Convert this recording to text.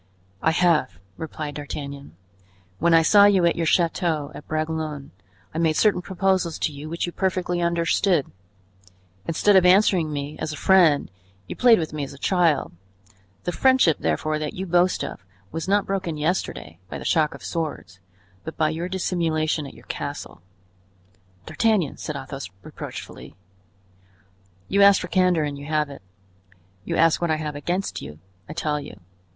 "I have," replied D'Artagnan. "When I saw you at your chateau at Bragelonne, I made certain proposals to you which you perfectly understood; instead of answering me as a friend, you played with me as a child; the friendship, therefore, that you boast of was not broken yesterday by the shock of swords, but by your dissimulation at your castle." "D'Artagnan!" said Athos, reproachfully. "You asked for candor and you have it. You ask what I have against you; I tell you.